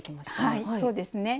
はいそうですね。